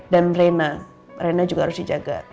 dan rena rena juga harus dijaga